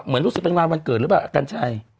รู้สึกเป็นงานวันเกิดหรือเปล่ากัญชัย